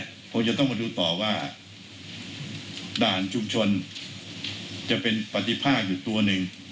คงจะต้องมาดูต่อว่าด่านชุมชนจะเป็นปฏิภาคอยู่ตัวหนึ่ง